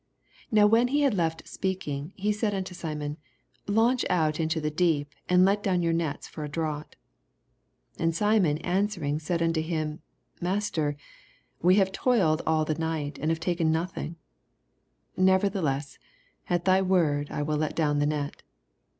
4 Now when he had left speaking, he said onto Simon, Launch out into the deep, and let down your nets for a draugnt. 6 And Simon answering said unto him, Master, we have toiled all the night and have taken nothing : never theless at thy word I will let down the net.